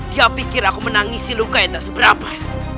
dia pikir aku menangisi luka itu tak seberapa